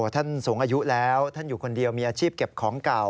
ท่านสูงอายุแล้วท่านอยู่คนเดียวมีอาชีพเก็บของเก่า